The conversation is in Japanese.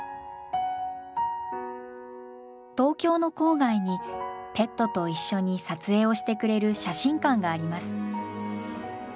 東京の郊外にペットと一緒に撮影をしてくれる写真館があります。